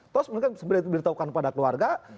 terus mereka sebenarnya diberitahukan kepada keluarga